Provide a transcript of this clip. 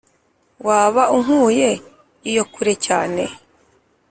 waba unkuye iyo kure cyane.